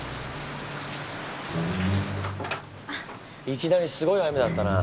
いきなりすごい雨だったな。